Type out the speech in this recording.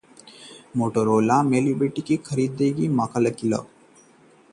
Motorola Mobility को खरीदेगी Google